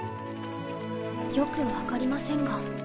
よく分かりませんが。